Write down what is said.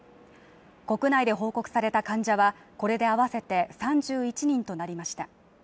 国内で報告された患者はこれで合わせて３１人となりました。